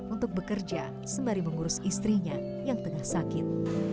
untuk bekerja sembari mengurus istrinya yang tengah sakit